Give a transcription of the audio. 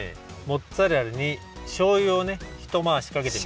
モッツァレラにしょうゆをねひとまわしかけてみて。